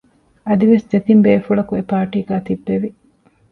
އަދިވެސް ދެތިން ބޭފުޅަކު އެޕާޓީގައި ތިއްބެވި